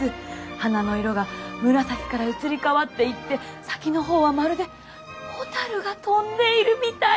花の色が紫から移り変わっていって先の方はまるで蛍が飛んでいるみたい！